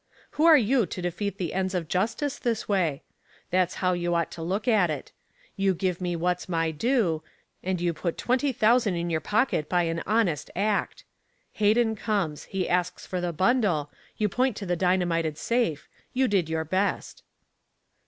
Who are you to defeat the ends of justice this way? That's how you ought to look at it. You give me what's my due and you put twenty thousand in your pocket by an honest act. Hayden comes. He asks for the bundle. You point to the dynamited safe. You did your best."